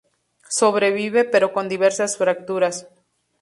Sobrevive, pero con diversas fracturas.